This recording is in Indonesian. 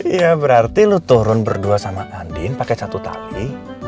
ya berarti lo turun berdua sama andin pake satu tali